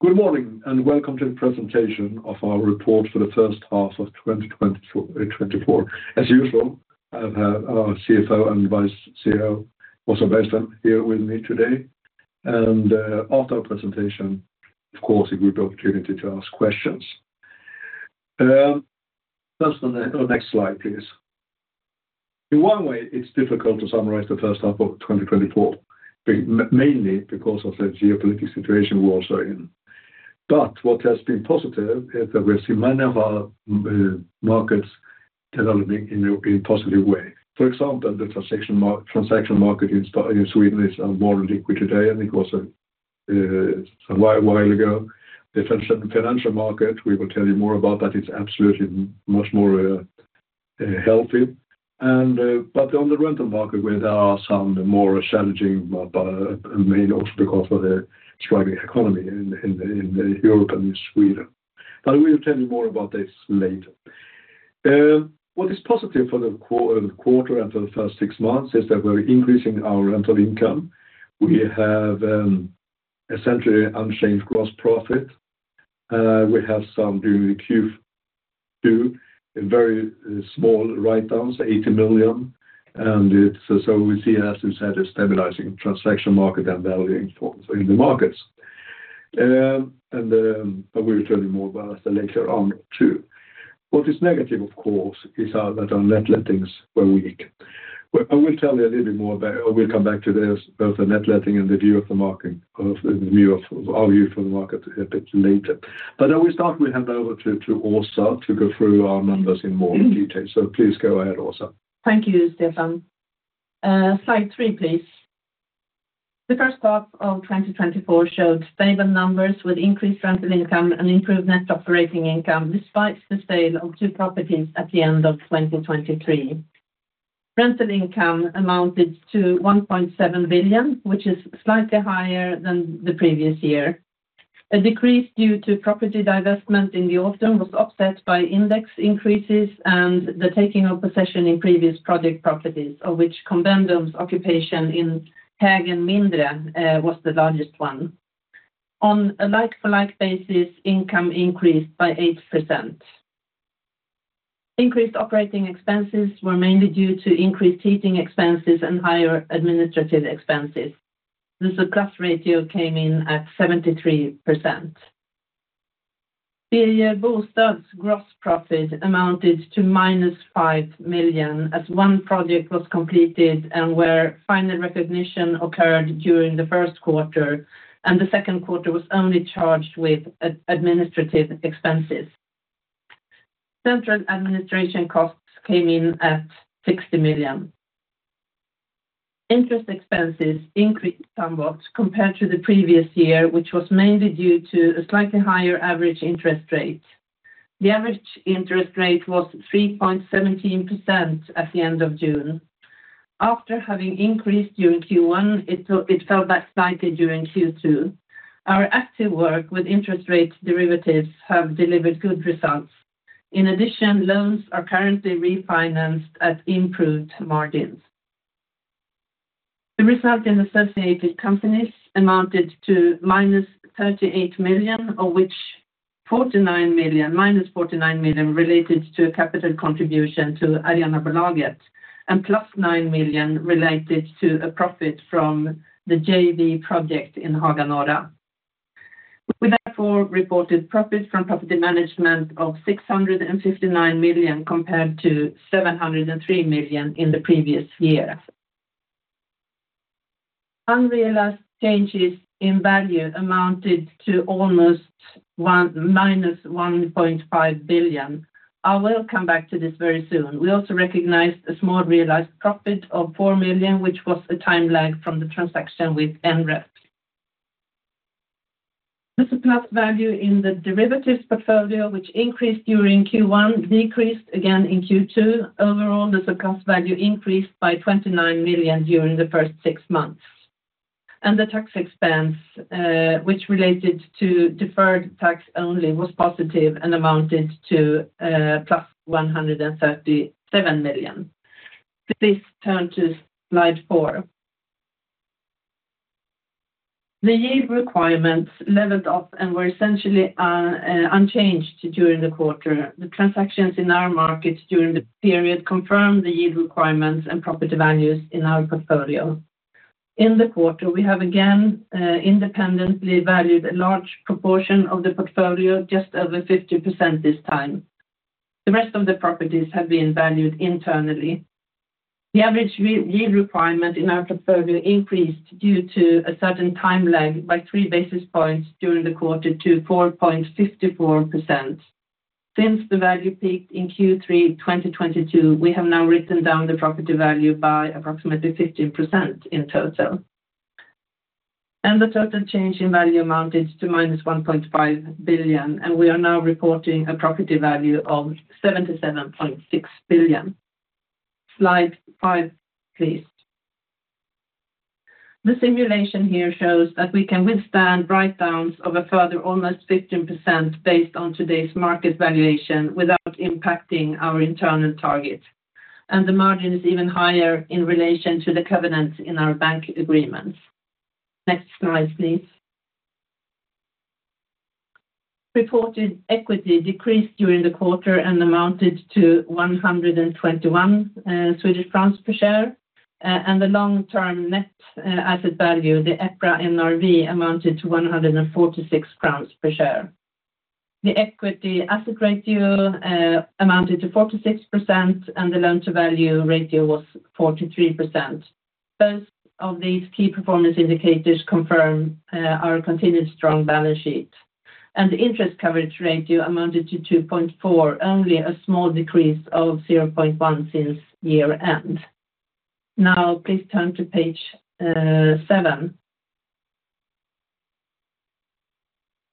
Good morning, and welcome to the Presentation of our Report for the First Half of 2024. As usual, I have our CFO and Vice CEO, also based here with me today. After our presentation, of course, a group opportunity to ask questions. First on the next slide, please. In one way, it's difficult to summarize the first half of 2024, mainly because of the geopolitical situation we're also in. But what has been positive is that we've seen many of our markets developing in a positive way. For example, the transaction market in Sweden is more liquid today than it was a while ago. The financial market, we will tell you more about that, it's absolutely much more healthy. But on the rental market, where there are some more challenges, but mainly also because of the struggling economy in Europe and in Sweden. But we will tell you more about this later. What is positive for the quarter and for the first six months is that we're increasing our rental income. We have essentially unchanged gross profit. We have some during Q2, a very small write-downs, 80 million, and so we see, as we said, a stabilizing transaction market and values in the markets. But we'll tell you more about that later on, too. What is negative, of course, is that our net lettings were weak. But I will tell you a little bit more about, or we'll come back to this, both the net letting and the view of the market, our view for the market a bit later. But I will start, we hand over to Åsa to go through our numbers in more detail. So please go ahead, Åsa. Thank you, Stefan. Slide three, please. The first half of 2024 showed stable numbers with increased rental income and improved net operating income, despite the sale of two properties at the end of 2023. Rental income amounted to 1.7 billion, which is slightly higher than the previous year. A decrease due to property divestment in the autumn was offset by index increases and the taking of possession in previous project properties, of which condominiums occupation in Tegen Mindre was the largest one. On a like-for-like basis, income increased by 8%. Increased operating expenses were mainly due to increased heating expenses and higher administrative expenses. The surplus ratio came in at 73%. Birger Bostad's gross profit amounted to -5 million, as one project was completed and where final recognition occurred during the first quarter, and the second quarter was only charged with administrative expenses. Central administration costs came in at 60 million. Interest expenses increased somewhat compared to the previous year, which was mainly due to a slightly higher average interest rate. The average interest rate was 3.17% at the end of June. After having increased during Q1, it fell back slightly during Q2. Our active work with interest rate derivatives have delivered good results. In addition, loans are currently refinanced at improved margins. The result in associated companies amounted to -38 million, of which 49 million, -49 million, related to a capital contribution to Arenabolaget, and +9 million related to a profit from the JV project in Haga Norra. We therefore reported profit from property management of 659 million, compared to 703 million in the previous year. Unrealized changes in value amounted to almost -1.5 billion. I will come back to this very soon. We also recognized a small realized profit of 4 million, which was a time lag from the transaction with NREP. The surplus value in the derivatives portfolio, which increased during Q1, decreased again in Q2. Overall, the surplus value increased by 29 million during the first six months. The tax expense, which related to deferred tax only, was positive and amounted to +137 million. Please turn to slide four. The yield requirements leveled off and were essentially unchanged during the quarter. The transactions in our markets during the period confirmed the yield requirements and property values in our portfolio. In the quarter, we have again independently valued a large proportion of the portfolio, just over 50% this time. The rest of the properties have been valued internally. The average yield requirement in our portfolio increased due to a certain time lag by three basis points during the quarter to 4.54%. Since the value peaked in Q3 2022, we have now written down the property value by approximately 15% in total. The total change in value amounted to -1.5 billion, and we are now reporting a property value of 77.6 billion. Slide five, please. The simulation here shows that we can withstand write downs of a further almost 15% based on today's market valuation, without impacting our internal target, and the margin is even higher in relation to the covenants in our bank agreements. Next slide, please. Reported equity decreased during the quarter and amounted to SEK 121 per share, and the long-term net asset value, the EPRA NRV, amounted to 146 crowns per share. The equity asset ratio amounted to 46%, and the loan-to-value ratio was 43%. Both of these key performance indicators confirm our continued strong balance sheet, and the interest coverage ratio amounted to 2.4, only a small decrease of 0.1 since year-end. Now, please turn to page seven.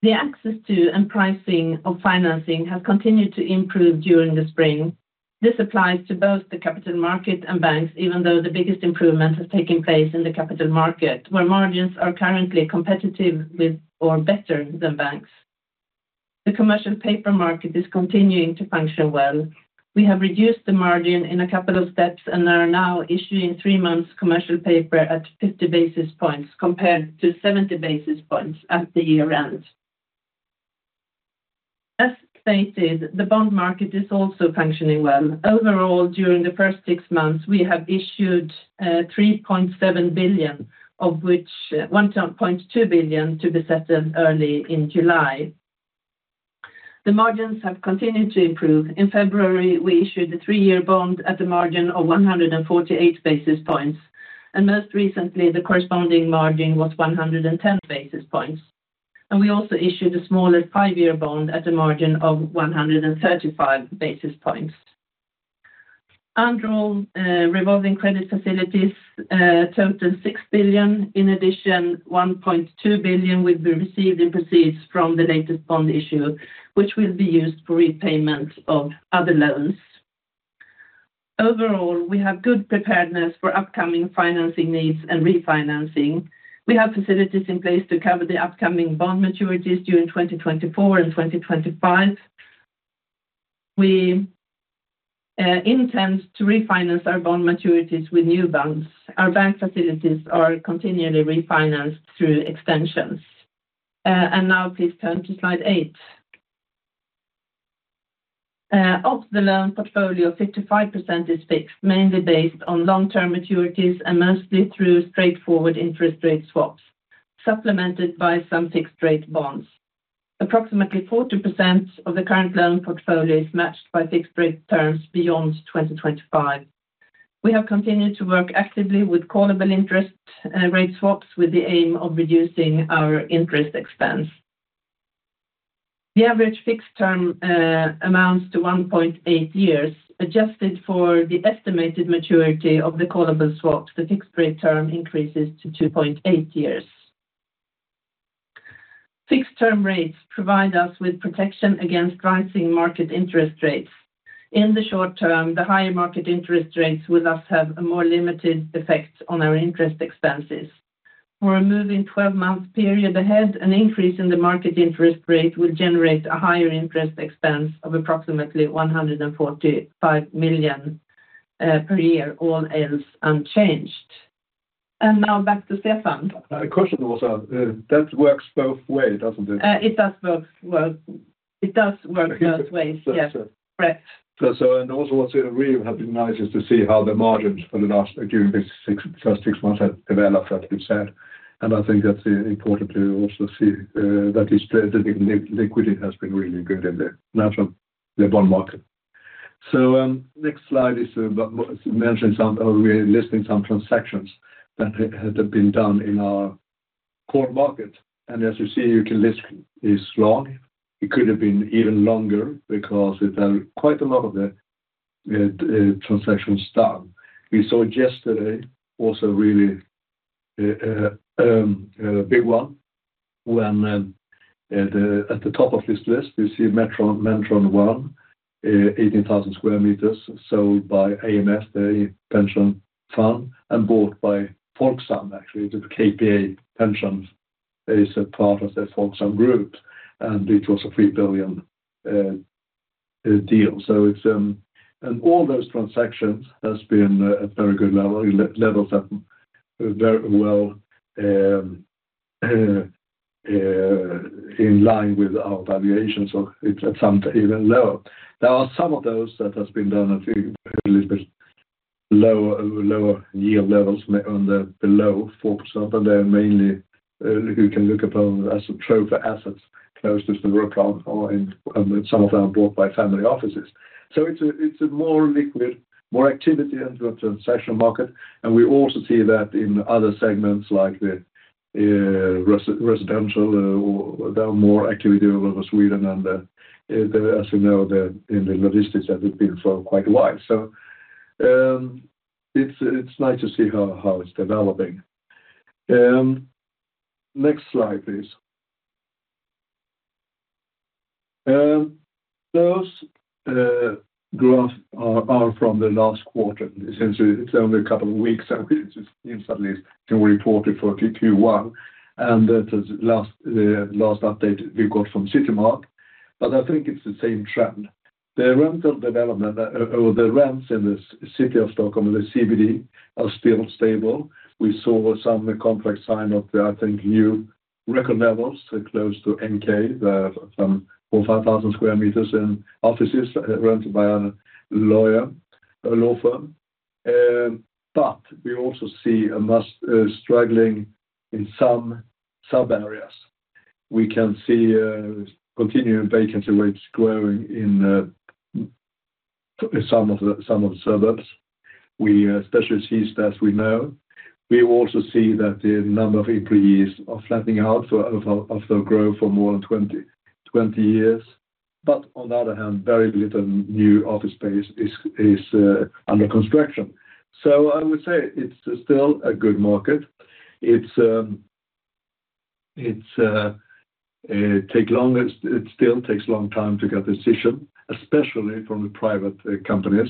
The access to and pricing of financing has continued to improve during the spring. This applies to both the capital market and banks, even though the biggest improvement has taken place in the capital market, where margins are currently competitive with or better than banks. The commercial paper market is continuing to function well. We have reduced the margin in a couple of steps and are now issuing three months commercial paper at 50 basis points, compared to 70 basis points at the year-end. As stated, the bond market is also functioning well. Overall, during the first six months, we have issued 3.7 billion, of which 1.2 billion to be settled early in July. The margins have continued to improve. In February, we issued a 3-year bond at a margin of 148 basis points, and most recently, the corresponding margin was 110 basis points. And we also issued a smaller 5-year bond at a margin of 135 basis points. Undrawn revolving credit facilities total 6 billion. In addition, 1.2 billion will be received in proceeds from the latest bond issue, which will be used for repayment of other loans. Overall, we have good preparedness for upcoming financing needs and refinancing. We have facilities in place to cover the upcoming bond maturities during 2024 and 2025. We intend to refinance our bond maturities with new bonds. Our bank facilities are continually refinanced through extensions. And now please turn to slide 8. Of the loan portfolio, 55% is fixed, mainly based on long-term maturities and mostly through straightforward interest rate swaps, supplemented by some fixed rate bonds. Approximately 40% of the current loan portfolio is matched by fixed rate terms beyond 2025. We have continued to work actively with callable interest rate swaps, with the aim of reducing our interest expense. The average fixed term amounts to 1.8 years, adjusted for the estimated maturity of the callable swaps, the fixed rate term increases to 2.8 years. Fixed term rates provide us with protection against rising market interest rates. In the short term, the higher market interest rates will thus have a more limited effect on our interest expenses. For a moving twelve-month period ahead, an increase in the market interest rate will generate a higher interest expense of approximately 145 million per year, all else unchanged. Now back to Stefan. A question was, that works both way, doesn't it? It does work well. It does work both ways. Yeah. That's it. Correct. So, and also what's really have been nice is to see how the margins for the last during this first 6 months have developed, as you said, and I think that's important to also see that the liquidity has been really good in the bond market. So, next slide is about mentioning some, or we're listing some transactions that have been done in our core market. And as you see, the list is long. It could have been even longer because we've done quite a lot of the transactions done. We saw yesterday also really a big one, when at the top of this list, you see Metronomen 1, 18,000 sq m sold by AMF, the pension fund, and bought by Folksam. Actually, the KPA Pension is a part of the Folksam group, and it was a 3 billion deal. So it's... And all those transactions has been at very good level, levels that very well in line with our valuation, so it's at some even lower. There are some of those that has been done a few, a little bit lower, lower yield levels on the below Folksam, but they're mainly you can look upon as a trove of assets close to Stockholm or in, and some of them bought by family offices. So it's a more liquid, more activity in the transaction market, and we also see that in other segments, like the residential, there are more activity all over Sweden and, as you know, in the logistics that have been for quite a while. So it's nice to see how it's developing. Next slide, please. Those graphs are from the last quarter. Essentially, it's only a couple of weeks, and we just instantly can report it for Q1, and that is the last update we got from Citymark, but I think it's the same trend. The rental development, or the rents in the city of Stockholm, the CBD, are still stable. We saw some complex sign of the, I think, new record levels, close to NK, 45,000 square meters in offices rented by a lawyer, a law firm. But we also see a mass struggling in some sub-areas. We can see continuing vacancy rates growing in some of the, some of the suburbs. We especially see that we know. We also see that the number of employees are flattening out after growth for more than 20 years. But on the other hand, very little new office space is under construction. So I would say it's still a good market. It still takes a long time to get decision, especially from the private companies,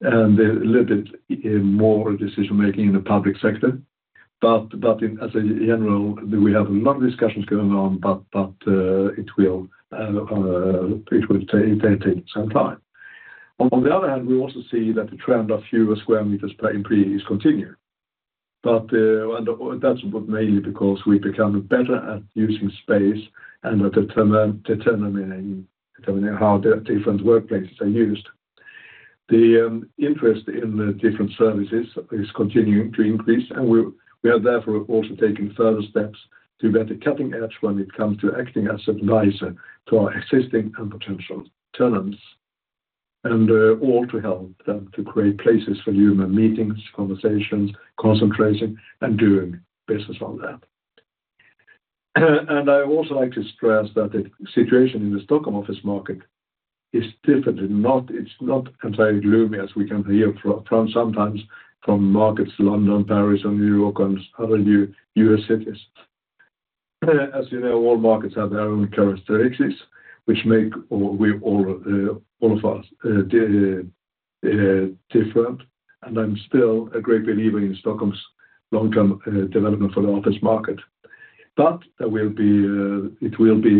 and a little bit more decision-making in the public sector. But in general, we have a lot of discussions going on, but it will take some time. On the other hand, we also see that the trend of fewer square meters per employees continue. That's mainly because we become better at using space and at determining how the different workplaces are used. The interest in the different services is continuing to increase, and we are therefore also taking further steps to be at the cutting edge when it comes to acting as advisor to our existing and potential tenants, and all to help them to create places for human meetings, conversations, concentrating, and doing business on that. I also like to stress that the situation in the Stockholm office market is definitely not, it's not entirely gloomy, as we can hear from sometimes from markets, London, Paris, and New York, and other US cities. As you know, all markets have their own characteristics, which make us all different, and I'm still a great believer in Stockholm's long-term development for the office market. But there will be, it will be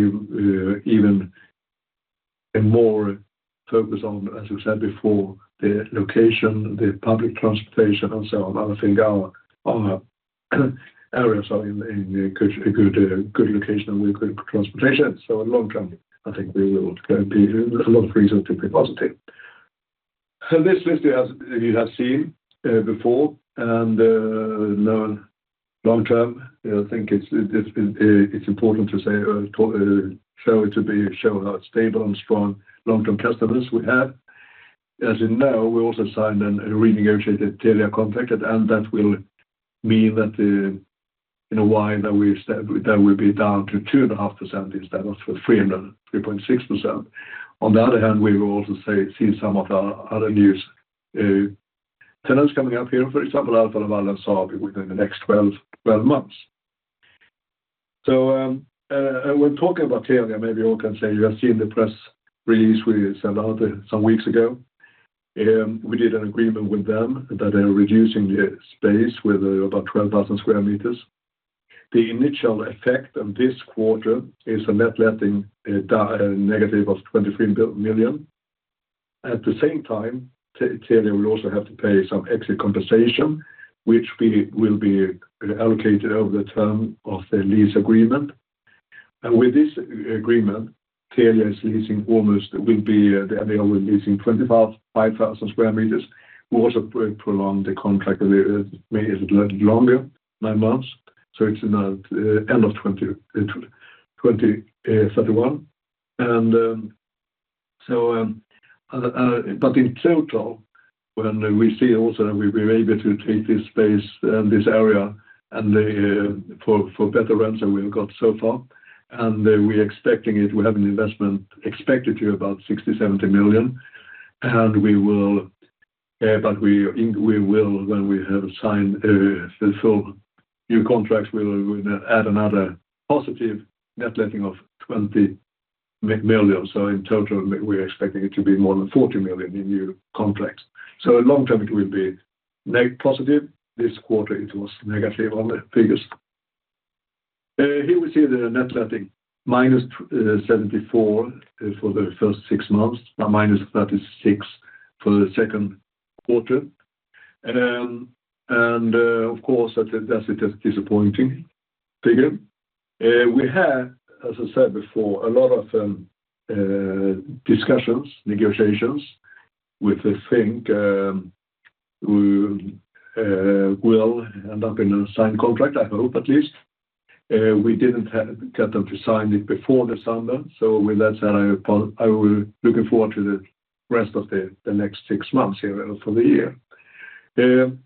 even more focus on, as we said before, the location, the public transportation and so on. I think our areas are in a good location with good transportation. So long term, I think we will be... There's a lot of reason to be positive. So this list, as you have seen, before, and our long-term, I think it's important to say, show how stable and strong long-term customers we have. As you know, we also signed a renegotiated Telia contract, and that will mean that, in a while, we'll be down to 2.5% instead of 3%, 3.6%. On the other hand, we will also see some of our other new tenants coming up here, for example, Alfa Laval and Saab, within the next 12 months. So, when talking about Telia, maybe you can say you have seen the press release we sent out some weeks ago. We did an agreement with them that are reducing the space with about 12,000 square meters. The initial effect on this quarter is a net letting, negative of 23 million. At the same time, Telia will also have to pay some exit compensation, which we will be allocated over the term of the lease agreement. With this agreement, Telia is leasing almost, will be, they are leasing 25,000 square meters. We also prolong the contract, made it a little longer, nine months, so it's in the end of 2031. And, so, but in total, when we see also that we'll be able to take this space and this area and the, for better rents than we've got so far, and we're expecting it, we have an investment expected to be about 60 million-70 million, and we will, but we, we will, when we have signed, the full new contracts, we will add another positive net letting of 20 million. So in total, we're expecting it to be more than 40 million in new contracts. So long term, it will be net positive. This quarter, it was negative on the figures. Here we see the net letting -74 million for the first six months, now - 36 million for the second quarter. And, of course, that is, that's a disappointing figure. We had, as I said before, a lot of discussions, negotiations with the thing, will end up in a signed contract, I hope at least. We didn't have, get them to sign it before the summer. So with that said, I will looking forward to the rest of the next six months here for the year.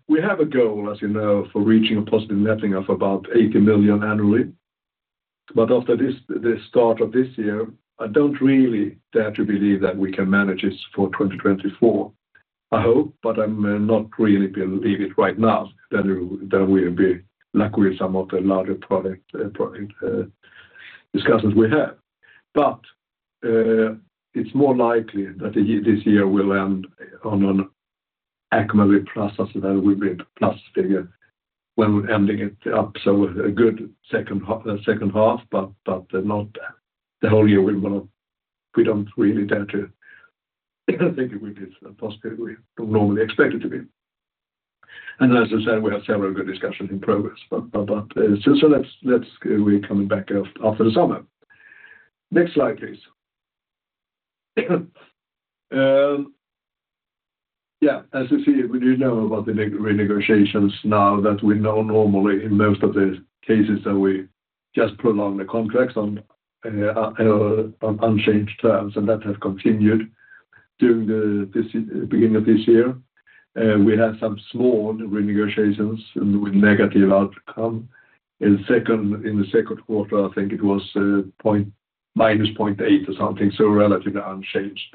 We have a goal, as you know, for reaching a positive letting of about 80 million annually. But after this, the start of this year, I don't really dare to believe that we can manage it for 2024. I hope, but I'm not really believe it right now, that we, that we'll be lucky with some of the larger product, product, discussions we have. But, it's more likely that the year, this year will end on an-... Actually, plus, as well, we made a positive figure when we're ending it up, so a good second half, but not the whole year we will not. We don't really dare to think it would be as positive we normally expect it to be. As I said, we have several good discussions in progress, but, so let's come back after the summer. Next slide, please. Yeah, as you see, we do know about the renegotiations now that we know normally in most of the cases, that we just prolong the contracts on unchanged terms, and that has continued during this beginning of this year. We had some small renegotiations with negative outcome. In the second quarter, I think it was, -0.8 or something, so relatively unchanged,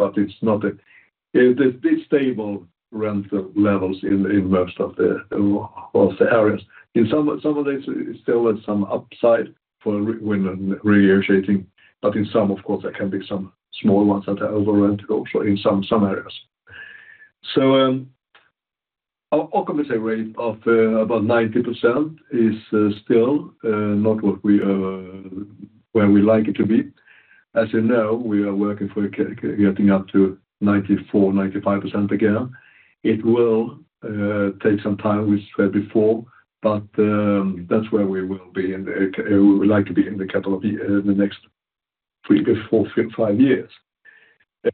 but it is stable rental levels in most of the areas. In some of these, there was some upside when renegotiating, but in some, of course, there can be some small ones that are overrent also in some areas. So, our occupancy rate of about 90% is still not what we where we like it to be. As you know, we are working for getting up to 94%-95% again. It will take some time, we said before, but that's where we will be, and we would like to be in the next three to four years, five years,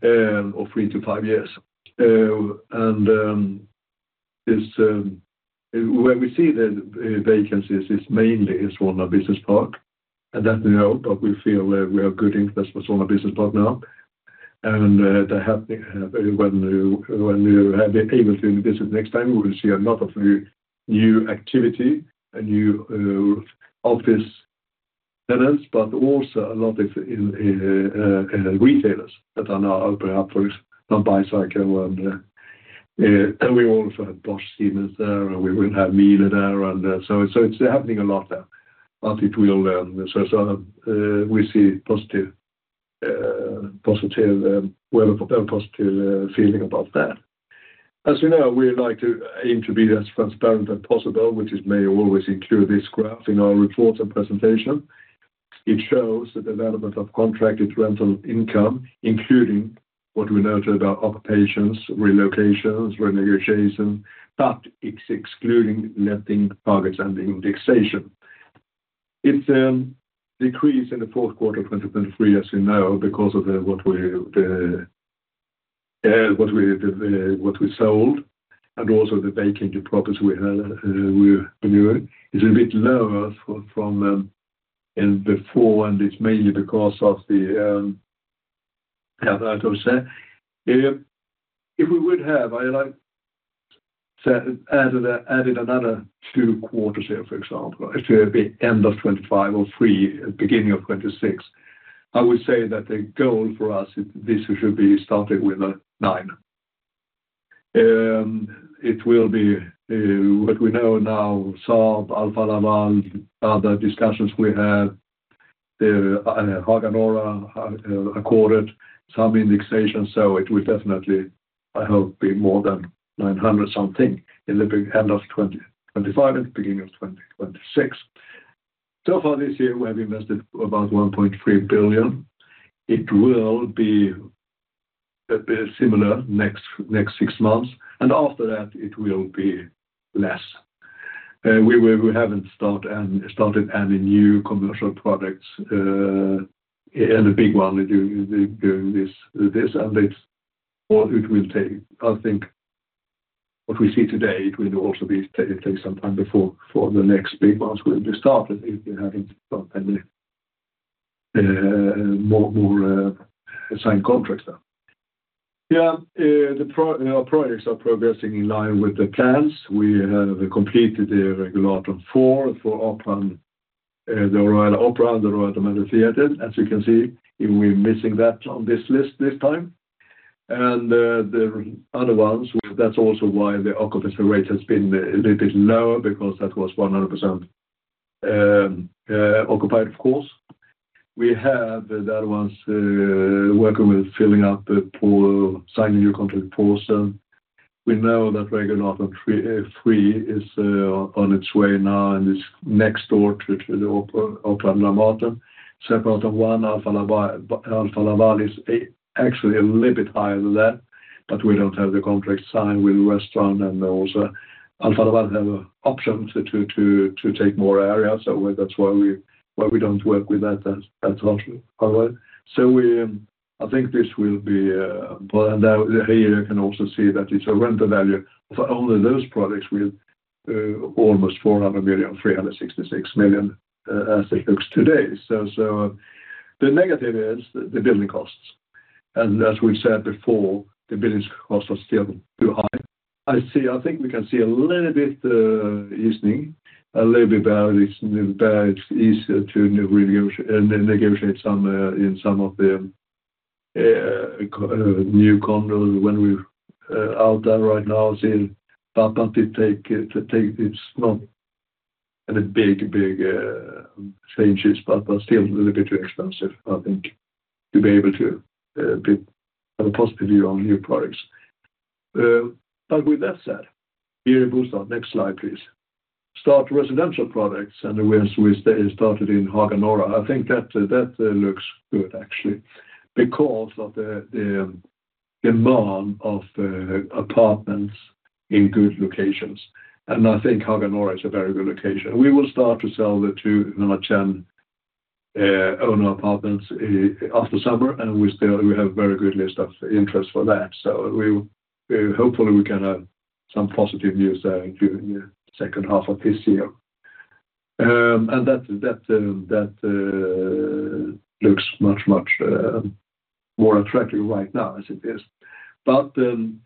or three to five years. And is where we see the vacancies is mainly Solna Business Park, and that we know, but we feel that we have good interest for Solna Business Park now. And they have, when you have able to visit next time, you will see a lot of new activity, new office tenants, but also a lot of retailers that are now opening up for on bicycle, and we also have Bosch Siemens there, and we will have Miele there, and so it's happening a lot there, but it will, so we see positive feeling about that. As you know, we like to aim to be as transparent as possible, which may always include this graph in our reports and presentation. It shows the development of contracted rental income, including what we noted about occupancy, relocations, renegotiation, but it's excluding letting targets and indexation. It's decreased in the fourth quarter of 2023, as you know, because of what we sold, and also the banking properties we had, we knew it. It's a bit lower from before, and it's mainly because of how I would say? If we would have, I like say, added another 2 quarters here, for example, it's the end of 2025 or 3, beginning of 2026. I would say that the goal for us, this should be starting with a nine. It will be what we know now, Saab, Alfa Laval, other discussions we had, Haga Norra, according some indexation, so it will definitely, I hope, be more than 900 something in the end of 2025 and beginning of 2026. So far this year, we have invested about 1.3 billion. It will be a bit similar next six months, and after that, it will be less. We haven't started any new commercial projects, and a big one during this, and it will take, I think, what we see today, it will also take some time before the next big ones will be started. We haven't got any more signed contracts now. Yeah, our projects are progressing in line with the plans. We have completed the Regulatorn 4 for Opera, the Royal Opera and the Royal Theater. As you can see, we're missing that on this list this time. The other ones, that's also why the occupancy rate has been a little lower, because that was 100%, occupied, of course. We have the other ones, working with filling up the pool, signing new contract pools. We know that Regulatorn 3 is on its way now, and it's next door to the Opera, Dramaten. Separate one, Alfa Laval is actually a little bit higher than that, but we don't have the contract signed with restaurant and also Alfa Laval have an option to take more areas. So that's why we don't work with that as much. So we, I think this will be, well, now here you can also see that it's a rental value for only those products with almost 400 million, 366 million, as it looks today. So the negative is the building costs. And as we've said before, the building costs are still too high. I see, I think we can see a little bit easing, a little bit about it's easier to renegotiate, negotiate some in some of the new contracts when we're out there right now saying, but it takes. It's not a big change, but still a little bit too expensive, I think, to be able to have a positive view on new products. But with that said, next slide, please. Start residential products, and we started in Haga Norra. I think that looks good actually, because of the demand of apartments in good locations, and I think Haga Norra is a very good location. We will start to sell the tenant-owner apartments after summer, and we still have very good list of interest for that. So hopefully, we can have some positive news during the second half of this year. And that looks much more attractive right now as it is. But in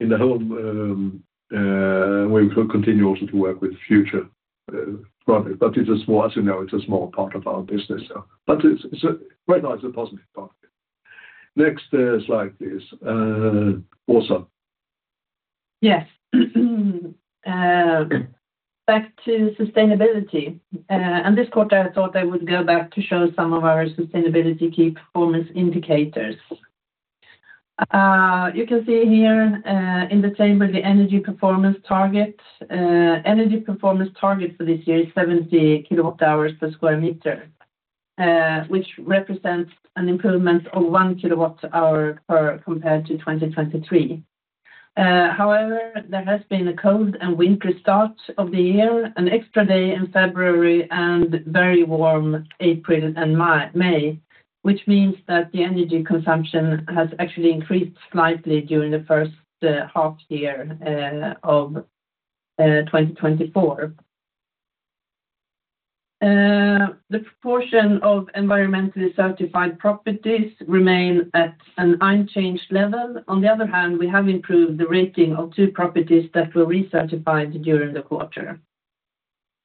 the home, we will continue also to work with future project, but it is more, as you know, it's a small part of our business. But it's right now, it's a positive part. Next, slide, please. Åsa. Yes. Back to sustainability. This quarter, I thought I would go back to show some of our sustainability key performance indicators. You can see here, in the table, the energy performance target. Energy performance target for this year is 70 kWh per sq m, which represents an improvement of 1 kWh per compared to 2023. However, there has been a cold and wintery start of the year, an extra day in February, and very warm April and May, which means that the energy consumption has actually increased slightly during the first half year of 2024. The proportion of environmentally certified properties remain at an unchanged level. On the other hand, we have improved the rating of 2 properties that were recertified during the quarter.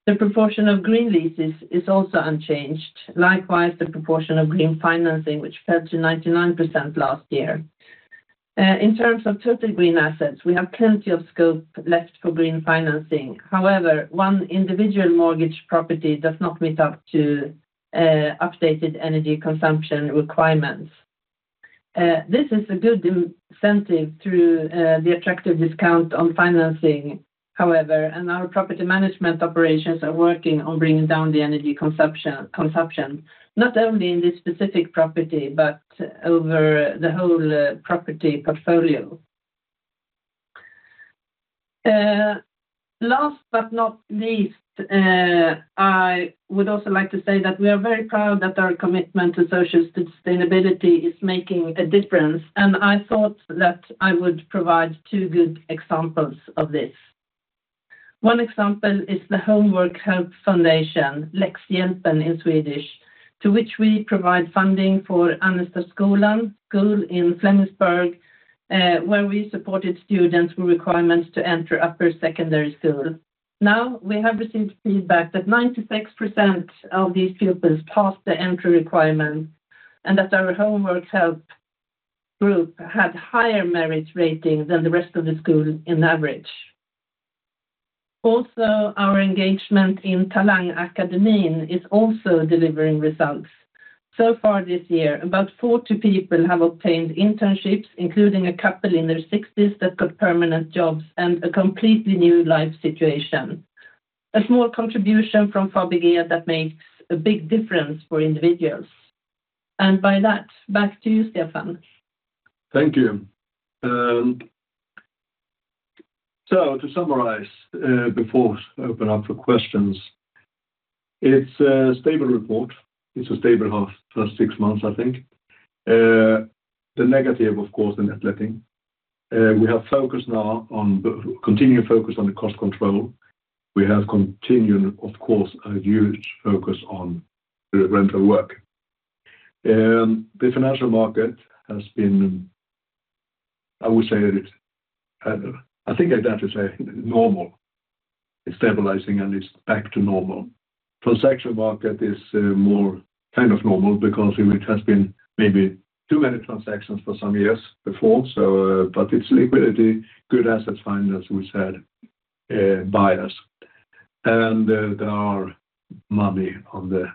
The proportion of green leases is also unchanged. Likewise, the proportion of green financing, which fell to 99% last year. In terms of total green assets, we have plenty of scope left for green financing. However, one individual mortgage property does not meet up to updated energy consumption requirements. This is a good incentive through the attractive discount on financing, however, and our property management operations are working on bringing down the energy consumption, not only in this specific property, but over the whole property portfolio. Last but not least, I would also like to say that we are very proud that our commitment to social sustainability is making a difference, and I thought that I would provide two good examples of this. One example is the Homework Help Foundation, Läxhjälpen in Swedish, to which we provide funding for Annerstaskolan School in Flemingsberg, where we supported students with requirements to enter upper secondary school. Now, we have received feedback that 96% of these pupils passed the entry requirements, and that our Homework Help group had higher marriage rating than the rest of the school in average. Also, our engagement in TalangAkademin is also delivering results. So far this year, about 40 people have obtained internships, including a couple in their 60s that got permanent jobs and a completely new life situation. A small contribution from Fabege that makes a big difference for individuals. And by that, back to you, Stefan. Thank you. So to summarize, before I open up for questions, it's a stable report. It's a stable half first six months, I think. The negative, of course, the net letting. We have focused now on the continuing focus on the cost control. We have continued, of course, a huge focus on the rental work. The financial market has been, I would say, I think I dare to say normal, it's stabilizing and it's back to normal. Transaction market is more kind of normal because it has been maybe too many transactions for some years before, so but it's liquidity, good asset find, as we said, buyers. And there are money on the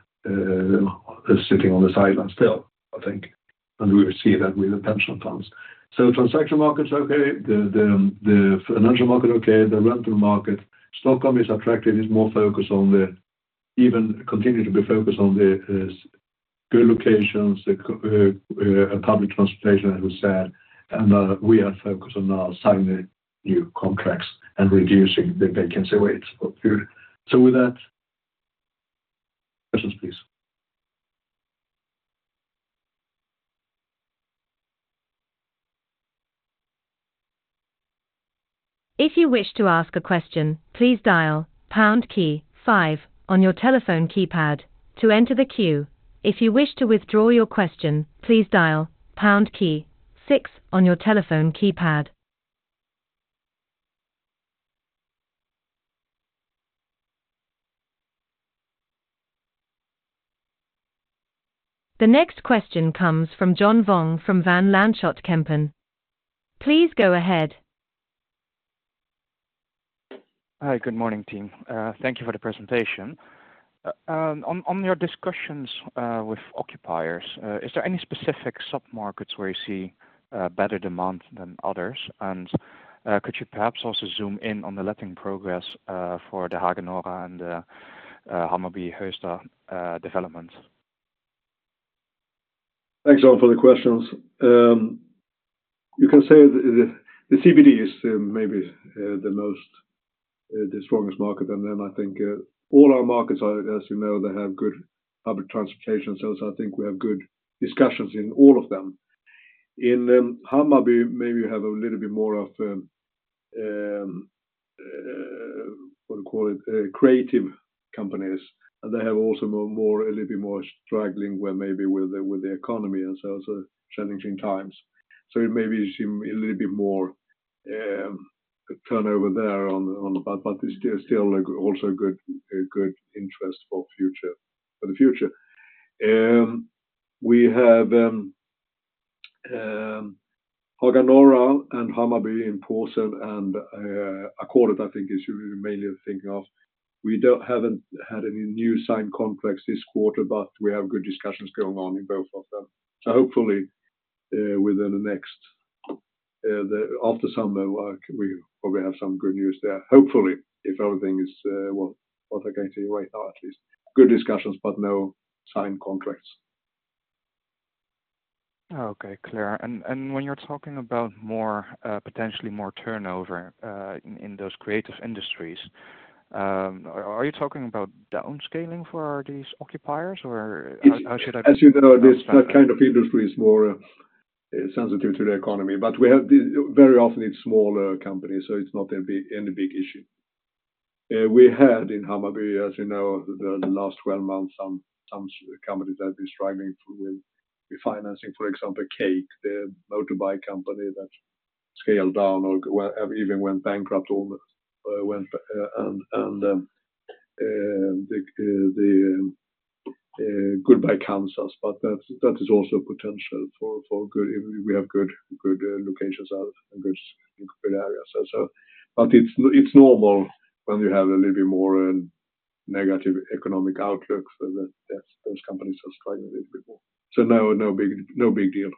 sitting on the sidelines still, I think, and we see that with the potential funds. So transaction market is okay, the financial market, okay, the rental market, Stockholm is attractive, is more focused on the... Even continue to be focused on the, good locations, a public transportation, as we said, and, we are focused on now signing new contracts and reducing the vacancy rates. So with that, questions, please. If you wish to ask a question, please dial pound key five on your telephone keypad to enter the queue. If you wish to withdraw your question, please dial pound key six on your telephone keypad.... The next question comes from John Vuong from Van Lanschot Kempen. Please go ahead. Hi, good morning, team. Thank you for the presentation. On your discussions with occupiers, is there any specific submarkets where you see better demand than others? And could you perhaps also zoom in on the letting progress for the Haga Norra and Hammarby Sjöstad developments? Thanks all for the questions. You can say the CBD is maybe the strongest market, and then I think all our markets are, as you know, they have good public transportation. So I think we have good discussions in all of them. In Hammarby, maybe you have a little bit more of what we call creative companies, and they have also a little bit more struggling, where maybe with the economy and so challenging times. So it may seem a little bit more turnover there on the- but it's still, like, also a good interest for the future. We have Haga Norra and Hammarby in Solna and Arenastaden, I think, is mainly thinking of. We haven't had any new signed contracts this quarter, but we have good discussions going on in both of them. So hopefully, within the next, the after summer, we probably have some good news there. Hopefully, if everything is, well, what are going to wait, or at least good discussions, but no signed contracts. Okay, clear. When you're talking about more potentially more turnover in those creative industries, are you talking about downscaling for these occupiers? Or how should I- As you know, this, that kind of industry is more sensitive to the economy, but we have the... Very often it's smaller companies, so it's not a big, any big issue. We had in Hammarby, as you know, the last 12 months, some companies have been struggling with refinancing, for example, Cake, the motorbike company that scaled down or even went bankrupt or went and the gick i konkurs. But that's, that is also potential for good, we have good locations out and good areas. So, but it's normal when you have a little more negative economic outlook, so that, yes, those companies are struggling a little bit more. So no big deal.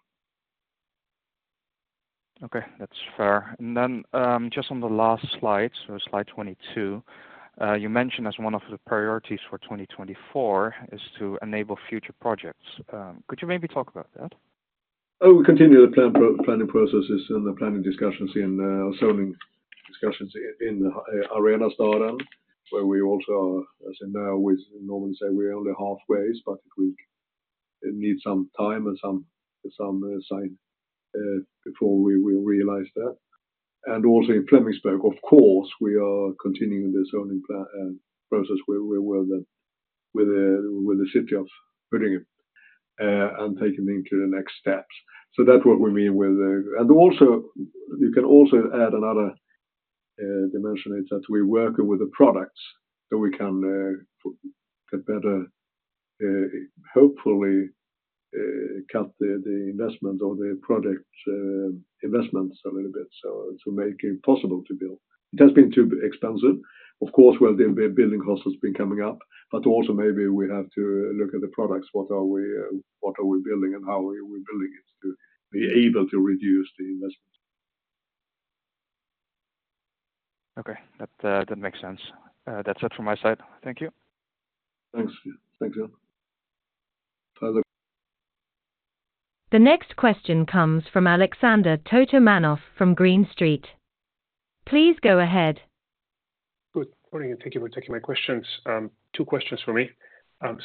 Okay, that's fair. And then, just on the last slide, so slide 22, you mentioned as one of the priorities for 2024 is to enable future projects. Could you maybe talk about that? Oh, we continue the plan, planning processes and the planning discussions in zoning discussions in Arenastaden, where we also are, as in now, with normally say we're only halfways, but we need some time and some sign before we realize that. And also in Flemingsberg, of course, we are continuing the zoning plan process where we will then, with the city of putting it and taking into the next steps. So that's what we mean with... And also, you can also add another dimension, is that we work with the products, so we can get better, hopefully cut the investment or the product investments a little bit, so to make it possible to build. It has been too expensive. Of course, well, the building costs have been coming up, but also maybe we have to look at the products, what are we, what are we building and how are we building it, to be able to reduce the investment. Okay, that, that makes sense. That's it from my side. Thank you. Thanks. Thank you. Further. The next question comes from Alexander Totomanov from Green Street. Please go ahead. Good morning, and thank you for taking my questions. Two questions for me.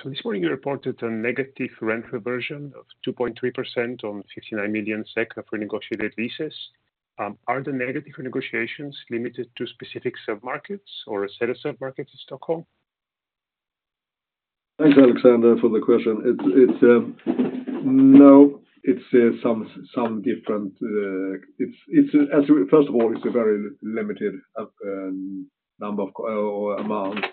So this morning, you reported a negative rental revision of 2.3% on 59 million SEK of renegotiated leases. Are the negative negotiations limited to specific submarkets or a set of submarkets in Stockholm? Thanks, Alexander, for the question. It's no, it's some different-- as we first of all, it's a very limited number of or amount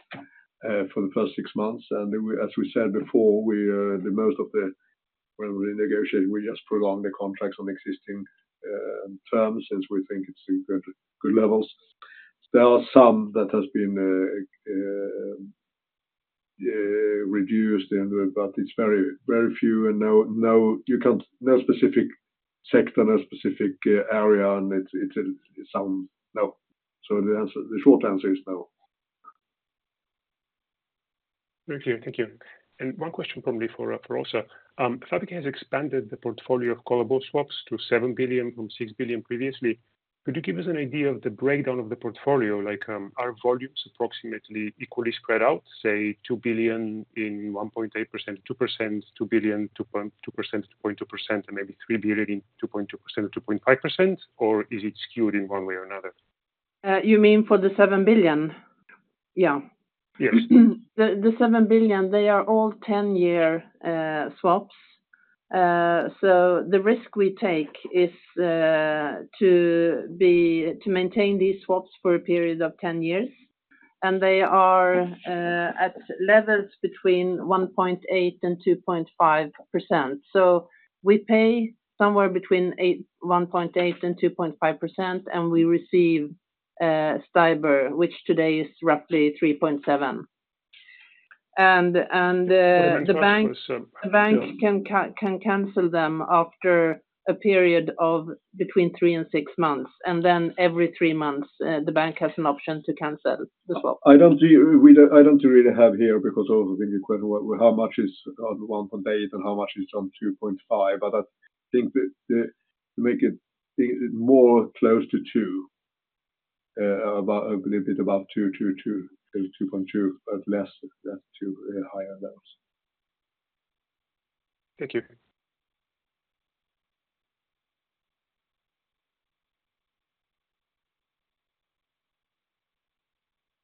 for the first six months. And as we said before, we the most of the, when we negotiate, we just prolong the contracts on existing terms, since we think it's good, good levels. There are some that has been reduced, but it's very, very few and no, no, you can't... No specific sector, no specific area, and it's no. So the answer, the short answer is no. Very clear. Thank you. And one question probably for, for Åsa. Fabege has expanded the portfolio of callable swaps to 7 billion from 6 billion previously. Could you give us an idea of the breakdown of the portfolio? Like, are volumes approximately equally spread out, say, 2 billion in 1.8%, 2%, 2 billion, 2.2%, 2.2%, and maybe 3 billion in 2.2% or 2.5%, or is it skewed in one way or another? You mean for the 7 billion? Yeah. Yeah. Yes. The seven billion, they are all 10-year swaps. So the risk we take is to maintain these swaps for a period of 10 years, and they are at levels between 1.8% and 2.5%. So we pay somewhere between 1.8% and 2.5%, and we receive STIBOR, which today is roughly 3.7. And the bank can cancel them after a period of between 3 and 6 months, and then every 3 months, the bank has an option to cancel as well. I don't see, we don't, I don't really have here because when you question well, how much is the 1.8 and how much is on 2.5? But I think that the, to make it, think more close to 2, about, a little bit about 2, 2, 2, 2.2, but less than 2, higher levels. Thank you.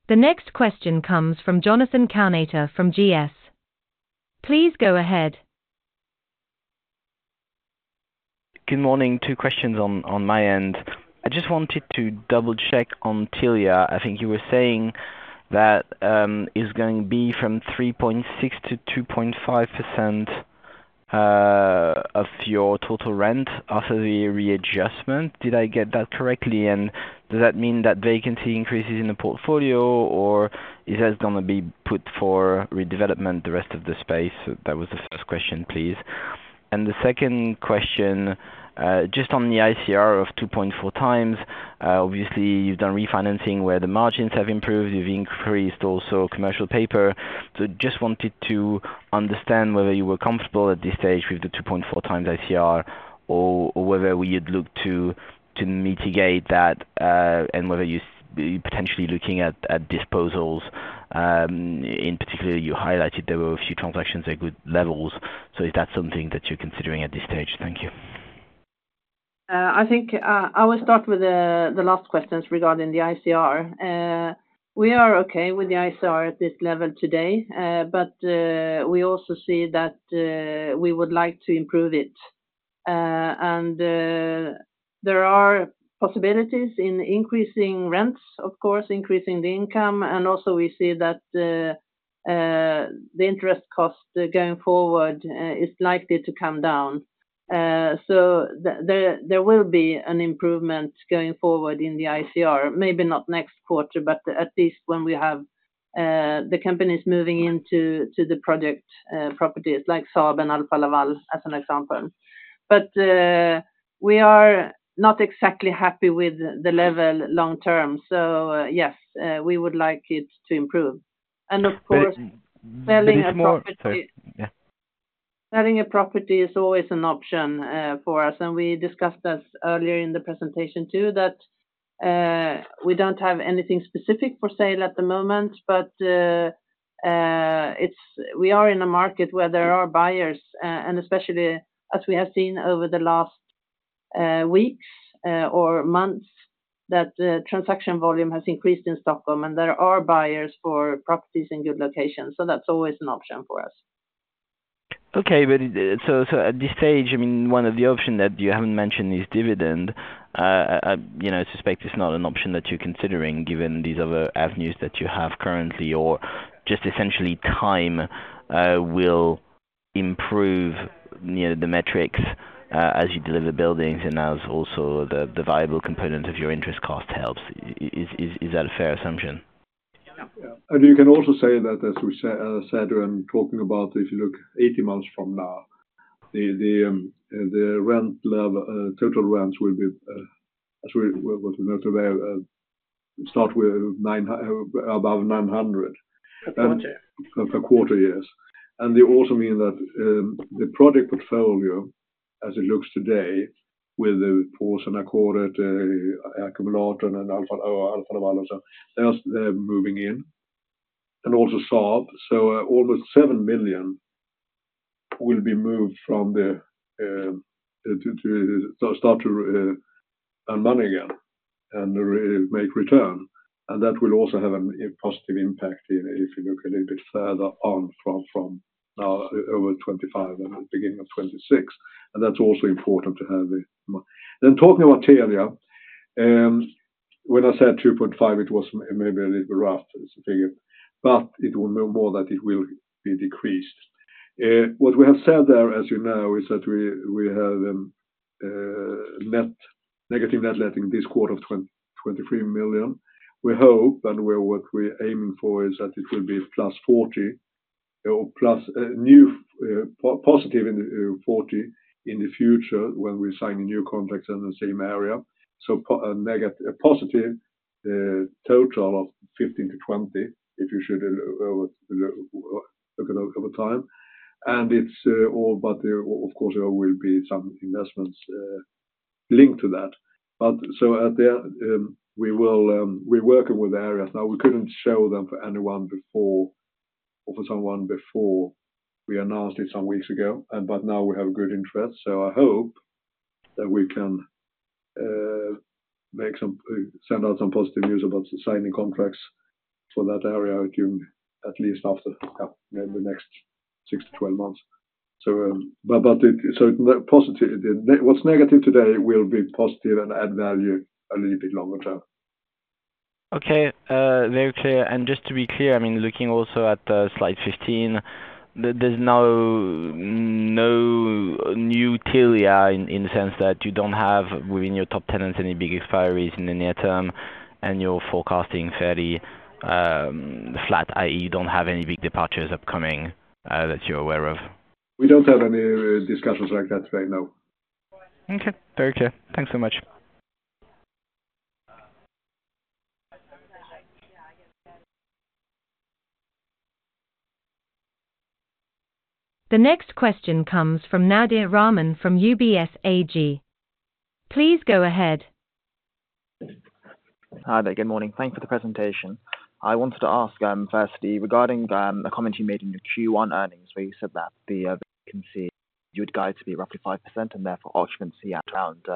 The next question comes from Jonathan Kownator from GS. Please go ahead. Good morning, two questions on my end. I just wanted to double check on Telia. I think you were saying that it's going to be from 3.6%-2.5% of your total rent after the readjustment. Did I get that correctly? And does that mean that vacancy increases in the portfolio or it is gonna be put for redevelopment, the rest of the space? That was the first question, please. And the second question, just on the ICR of 2.4 times, obviously, you've done refinancing where the margins have improved, you've increased also commercial paper. So just wanted to understand whether you were comfortable at this stage with the 2.4x ICR or whether we had looked to mitigate that, and whether you're potentially looking at disposals, in particular, you highlighted there were a few transactions at good levels. So is that something that you're considering at this stage? Thank you. I think I will start with the last questions regarding the ICR. We are okay with the ICR at this level today, but we also see that we would like to improve it. There are possibilities in increasing rents, of course, increasing the income, and also we see that the interest cost going forward is likely to come down. There will be an improvement going forward in the ICR, maybe not next quarter, but at least when we have the companies moving into the project properties like Saab and Alfa Laval, as an example. But we are not exactly happy with the level long-term, so yes, we would like it to improve. And of course- There is more- Selling a property- Sorry, yeah. Selling a property is always an option, for us, and we discussed this earlier in the presentation, too, that, we don't have anything specific for sale at the moment, but, it's—we are in a market where there are buyers, and especially as we have seen over the last, weeks, or months, that the transaction volume has increased in Stockholm, and there are buyers for properties in good locations. So that's always an option for us. Okay. But it, so at this stage, I mean, one of the options that you haven't mentioned is dividend. You know, I suspect it's not an option that you're considering, given these other avenues that you have currently, or just essentially time will improve, you know, the metrics, as you deliver the buildings, and as also the variable component of your interest cost helps. Is that a fair assumption? Yeah. And you can also say that, as we said when talking about, if you look 80 months from now, the rent level, total rents will be, as what we know today, start with 9 above 900. Per quarter. Per quarter, yes. And they also mean that, the project portfolio, as it looks today, with the Porten and Ackordet, Kumminet and Alfa Laval, they are, they're moving in, and also Saab. So, over 7 million will be moved from the, to, to, so start to, earn money again and re-make return. And that will also have a, a positive impact if you look a little bit further on from, from, over 25 and beginning of 2026. And that's also important to have it. Then talking about Telia, when I said 2.5, it was maybe a little bit rough as a figure, but it will be more that it will be decreased. What we have said there, as you know, is that we, we have, net, negative net letting this quarter of 23 million. We hope, and what we're aiming for, is that it will be +40, or plus net positive in 40 in the future when we sign the new contracts in the same area. So a positive total of 15-20, if you look at it over time. And it's all, but of course, there will be some investments linked to that. But so at the end, we're working with the areas. Now, we couldn't show them to anyone before we announced it some weeks ago, but now we have good interest. So I hope that we can send out some positive news about signing contracts for that area in the next 6-12 months. So, the positive, what's negative today will be positive and add value a little bit longer term. Okay, very clear. And just to be clear, I mean, looking also at slide 15, there, there's no new Telia in the sense that you don't have within your top 10 any big expiries in the near term, and you're forecasting fairly flat, i.e., you don't have any big departures upcoming that you're aware of? We don't have any discussions like that right now. Okay. Very clear. Thanks so much. The next question comes from Nadir Rahman from UBS AG. Please go ahead. Hi there. Good morning. Thanks for the presentation. I wanted to ask, firstly, regarding a comment you made in your Q1 earnings, where you said that the vacancy you would guide to be roughly 5%, and therefore, occupancy at around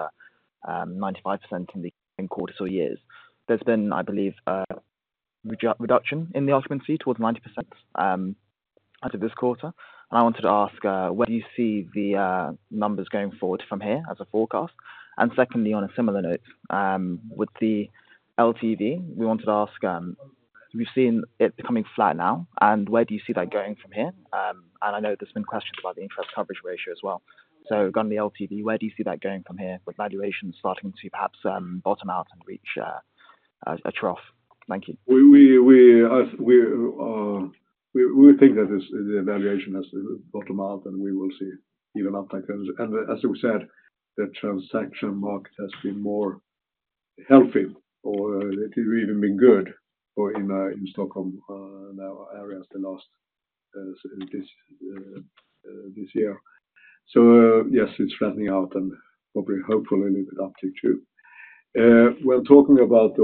95% in the coming quarters or years. There's been, I believe, reduction in the occupancy towards 90%, as of this quarter. And I wanted to ask, where do you see the numbers going forward from here as a forecast? And secondly, on a similar note, with the LTV, we wanted to ask, we've seen it becoming flat now, and where do you see that going from here? And I know there's been questions about the interest coverage ratio as well. So on the LTV, where do you see that going from here, with valuations starting to perhaps bottom out and reach a trough? Thank you. We think that this, the valuation has bottomed out, and we will see even uptake. As you said, the transaction market has been more healthy or it even been good or in Stockholm, in our areas the last in this year. So, yes, it's flattening out and probably hopefully a little bit uptick too. When talking about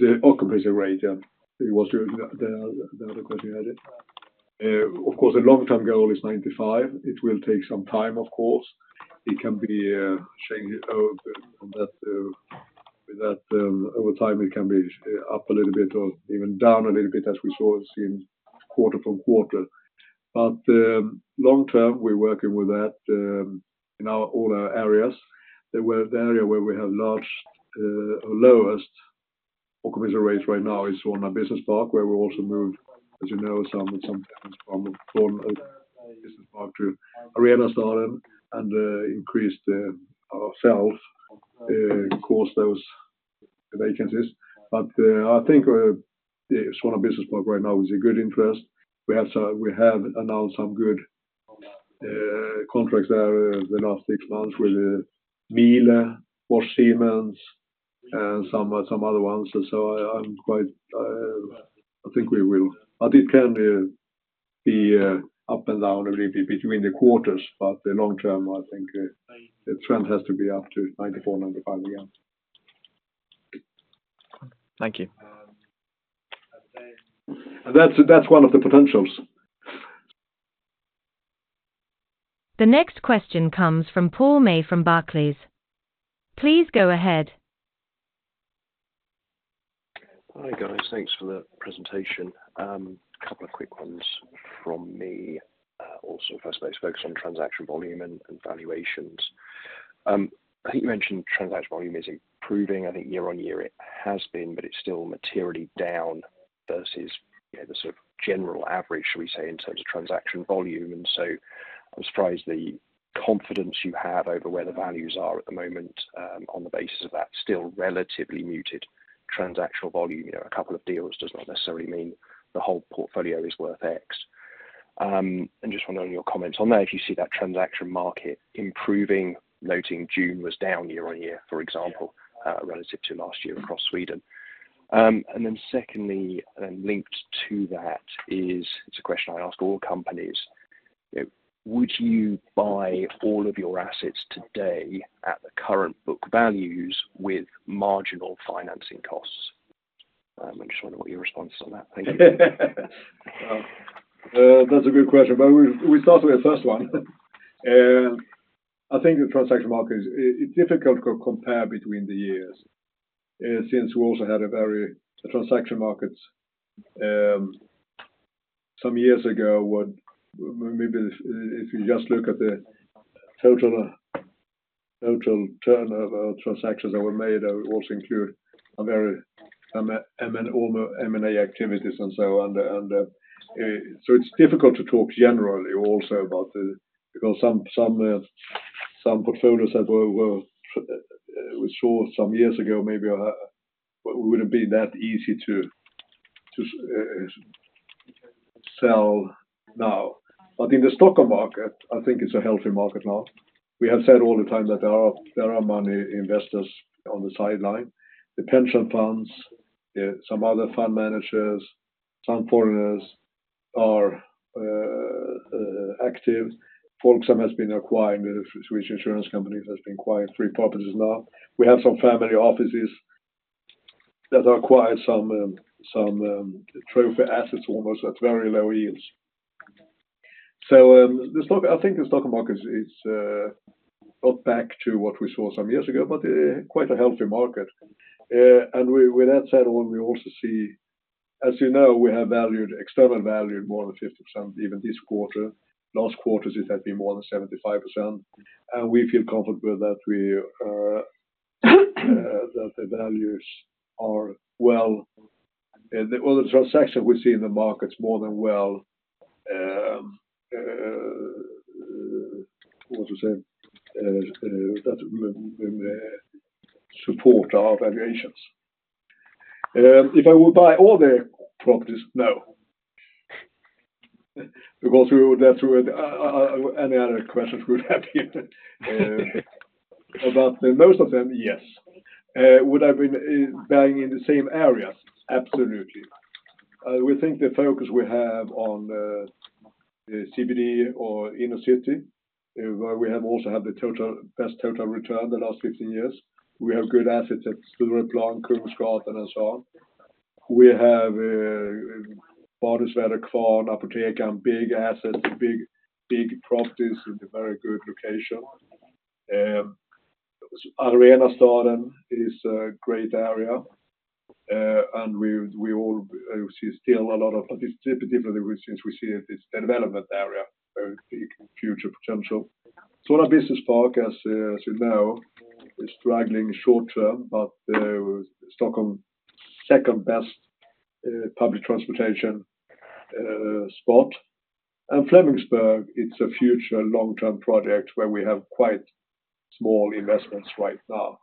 the occupancy rate, yeah, it was the other question I had it. Of course, the long-term goal is 95%. It will take some time, of course. It can be changed, but that over time, it can be up a little bit or even down a little bit, as we saw since quarter from quarter. But long term, we're working with that in all our areas. The area where we have large lowest occupancy rates right now is Solna Business Park, where we also moved, as you know, some tenants from business park to arena side and increased our vacancies of course. But I think yeah, Solna Business Park right now is a good interest. We have some—we have announced some good contracts there the last six months with Miele, Bosch Siemens, and some other ones. So I'm quite, I think we will... But it can be up and down a little bit between the quarters, but long term, I think the trend has to be up to 94%-95% again. Thank you. That's one of the potentials. The next question comes from Paul May from Barclays. Please go ahead. Hi, guys. Thanks for the presentation. A couple of quick ones from me. Also first, let's focus on transaction volume and, and valuations. I think you mentioned transaction volume is improving. I think year-on-year it has been, but it's still materially down versus, you know, the sort of general average, shall we say, in terms of transaction volume. And so I'm surprised the confidence you have over where the values are at the moment, on the basis of that, still relatively muted transactional volume. You know, a couple of deals does not necessarily mean the whole portfolio is worth X. And just wondering your comments on that, if you see that transaction market improving, noting June was down year-on-year, for example- Yeah... relative to last year across Sweden. And then secondly, and linked to that is, it's a question I ask all companies: would you buy all of your assets today at the current book values with marginal financing costs? I just wonder what your response is on that. Thank you. That's a good question, but we start with the first one. I think the transaction market, it's difficult to compare between the years, since we also had a very, the transaction markets some years ago, maybe if you just look at the total turnover of transactions that were made, it also include a very M&A activities and so on. So it's difficult to talk generally also about the... Because some portfolios that were we saw some years ago maybe wouldn't be that easy to sell now. But in the Stockholm market, I think it's a healthy market now. We have said all the time that there are many investors on the sidelines. The pension funds, some other fund managers, some foreigners are active. Folksam has been acquiring, the Swedish insurance company, has been acquiring three properties now. We have some family offices that acquired some, some, trophy assets almost at very low yields.... So, I think the Stockholm market is not back to what we saw some years ago, but quite a healthy market. And with that said, when we also see, as you know, we have external valuation more than 50%, even this quarter. Last quarter, it had been more than 75%, and we feel comfortable that we are, that the values are well. And the other transaction we see in the market is more than well, what to say? That's support our valuations. If I would buy all the properties? No. Because we would have to any other questions we would have here. But most of them, yes. Would I be buying in the same area? Absolutely. We think the focus we have on CBD or inner city, where we also have the best total return the last 15 years. We have good assets and so on. We have partners, big assets, big, big properties with a very good location. Arenastaden is a great area, and we've, we all, see still a lot of, particularly since we see it, it's a development area, very big future potential. So our business park, as you know, is struggling short term, but, Stockholm's second best public transportation spot. Flemingsberg, it's a future long-term project where we have quite small investments right now.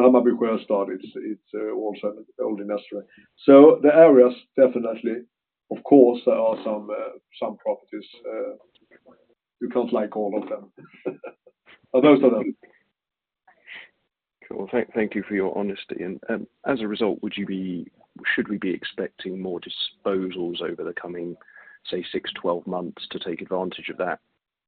Hammarby Sjöstad, it's also old industrial. The areas, definitely, of course, there are some properties you can't like all of them. But most of them. Cool. Thank, thank you for your honesty. And, as a result, would you be... Should we be expecting more disposals over the coming, say, 6, 12 months to take advantage of that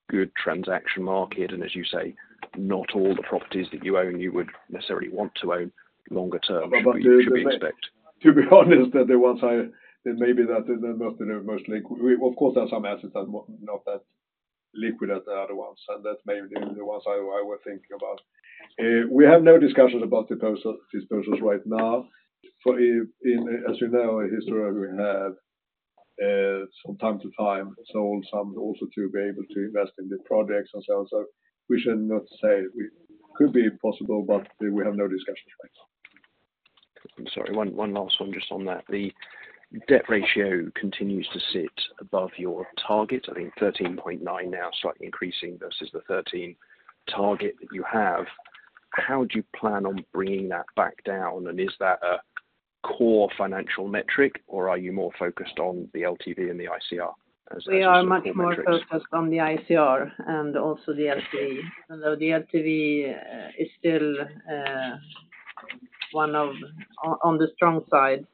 good transaction market? And as you say, not all the properties that you own, you would necessarily want to own longer term, but you should expect. To be honest, that the ones that maybe that must be the most liquid. We of course have some assets that are not that liquid as the other ones, and that's maybe the ones I were thinking about. We have no discussions about disposal, disposals right now. As you know, in history, we have from time to time sold some also to be able to invest in the projects ourselves. So we should not say we could be possible, but we have no discussions right now. I'm sorry, one last one just on that. The debt ratio continues to sit above your target, I think 13.9 now, slightly increasing versus the 13 target that you have. How would you plan on bringing that back down? And is that a core financial metric, or are you more focused on the LTV and the ICR as- We are much more focused on the ICR and also the LTV. Although the LTV is still on the strong side.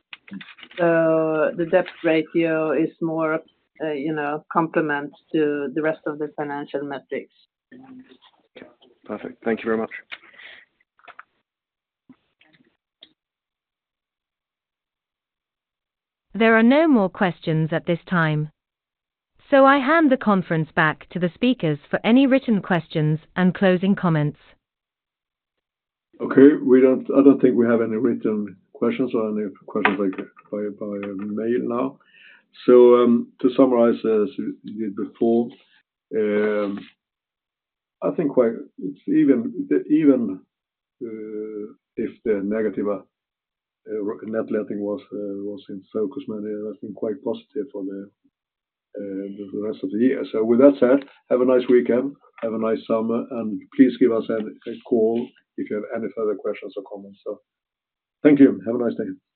The debt ratio is more, you know, complement to the rest of the financial metrics. Okay, perfect. Thank you very much. There are no more questions at this time, so I hand the conference back to the speakers for any written questions and closing comments. Okay. We don't—I don't think we have any written questions or any questions like, by, by email now. So, to summarize, as we did before, I think like, it's even, even, if the negative net letting was, was in focus, many have been quite positive for the, the rest of the year. So with that said, have a nice weekend, have a nice summer, and please give us a, a call if you have any further questions or comments. So thank you. Have a nice day.